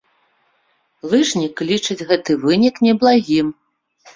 Лыжнік лічыць гэты вынік неблагім.